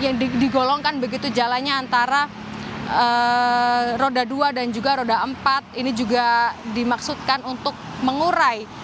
yang digolongkan begitu jalannya antara roda dua dan juga roda empat ini juga dimaksudkan untuk mengurai